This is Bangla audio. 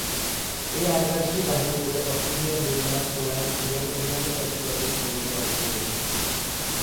এই আগ্রাসী বাহিনীতে অস্ট্রেলিয়া, ডেনমার্ক, পোল্যান্ড এবং অন্যান্য কয়েকটি জাতির সৈন্যদল অংশ নিয়েছিল।